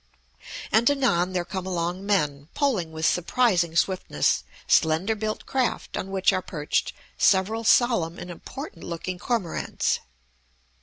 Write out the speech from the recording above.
And anon there come along men, poling with surprising swiftness slender built craft on which are perched several solemn and important looking cormorants.